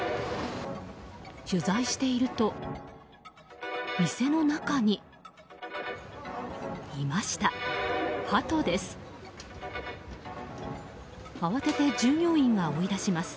取材していると、店の中にいました、ハトです。